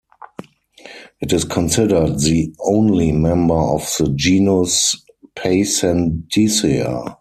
It is considered the only member of the genus Paysandisia.